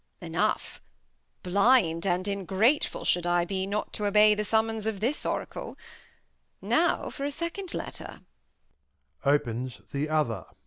Enough ! Blind and Ingratef ull should I be Not to obey the Summons of this Oracle. Now for a Second Letter. [Opens the other.